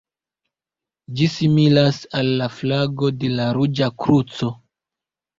Ĝi similas al la flago de la Ruĝa Kruco.